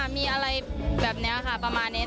มีอะไรแบบนี้ค่ะประมาณนี้